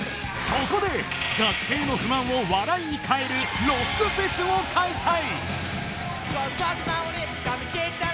そこで学生の不満を笑いに変えるロックフェスを開催